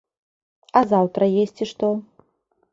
А заўтра есці што?